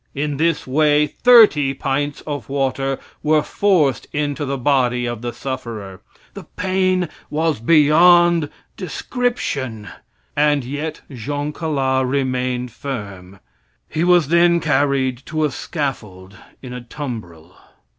In this way thirty pints of water were forced into the body of the sufferer. The pain was beyond description, and yet Jean Calas remained firm. He was then carried to a scaffold in a tumbril.